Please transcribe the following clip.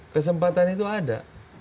kesempatan itu ada